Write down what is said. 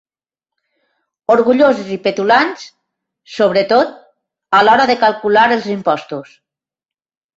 Orgulloses i petulants, sobretot a l'hora de calcular els impostos.